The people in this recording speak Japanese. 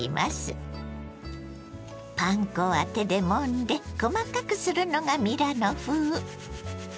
パン粉は手でもんで細かくするのがミラノ風。